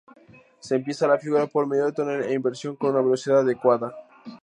Se empieza la figura por medio tonel e inversión con una velocidad adecuada.